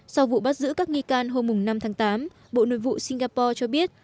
sau vụ bắt giữ các nghi can hôm năm tháng tám bộ nội vụ singapore cho biết